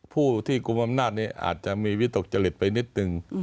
ผู้ที่กลุ่มอำนาจนี้อาจจะมีวิตกจริตไปนิดนึง